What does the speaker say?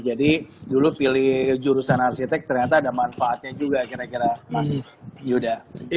jadi dulu pilih jurusan arsitek ternyata ada manfaatnya juga kira kira mas yuda